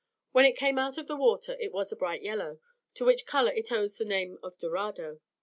When it came out of the water it was a bright yellow, to which colour it owes its name of Dorado.